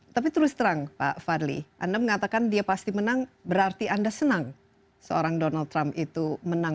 tapi terus terang pak fadli anda mengatakan dia pasti menang berarti anda senang seorang donald trump itu menang